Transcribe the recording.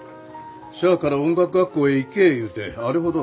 しゃあから音楽学校へ行けえ言うてあれほど。